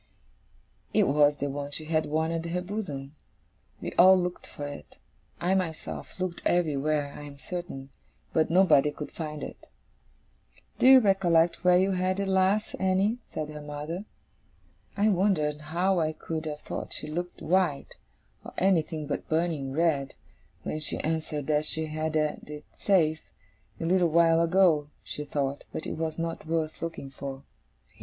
It was the one she had worn at her bosom. We all looked for it; I myself looked everywhere, I am certain but nobody could find it. 'Do you recollect where you had it last, Annie?' said her mother. I wondered how I could have thought she looked white, or anything but burning red, when she answered that she had had it safe, a little while ago, she thought, but it was not worth looking for.